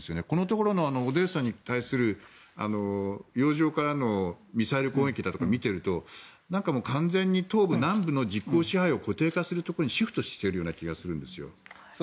このところのオデーサに対する洋上からのミサイル攻撃だとかを見ているとなんか完全に東部、南部の実効支配を固定化するところにシフトしている気がするんです。